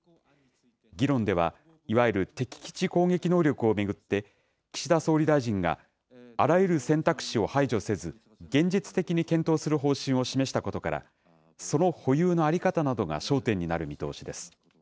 議論では、いわゆる敵基地攻撃能力を巡って、岸田総理大臣が、あらゆる選択肢を排除せず、現実的に検討する方針を示したことから、その保有の在り方などが焦点になる見通しです。